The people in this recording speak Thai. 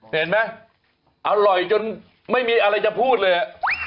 เห็นไหมอร่อยจนไม่มีอะไรจะพูดเลย